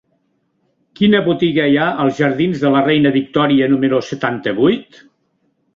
Quina botiga hi ha als jardins de la Reina Victòria número setanta-vuit?